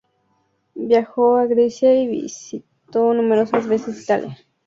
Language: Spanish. Viajó a Grecia y visitó numerosas veces Italia.